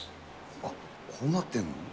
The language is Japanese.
あっ、こうなってるの。